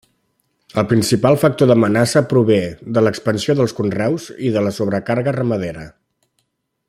El principal factor d'amenaça prové de l'expansió dels conreus i de la sobrecàrrega ramadera.